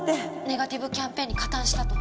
ネガティブキャンペーンに加担したと。